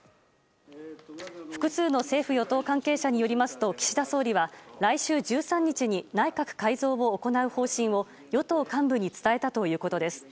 複数の政府・与党関係者によりますと岸田総理は来週１３日に内閣改造を行う方針を与党幹部に伝えたということです。